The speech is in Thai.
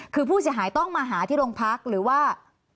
คือผู้เสียหายต้องมาหาที่โรงพักหรือว่า